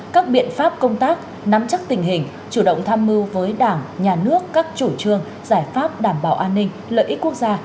các biện pháp công tác nắm chắc tình hình chủ động tham mưu với đảng nhà nước các chủ trương giải pháp đảm bảo an ninh lợi ích quốc gia